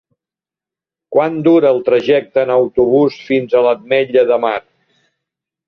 Quant dura el trajecte en autobús fins a l'Ametlla de Mar?